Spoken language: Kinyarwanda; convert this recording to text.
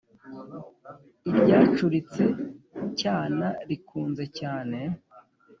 iryacuritse cyana rikunze cyane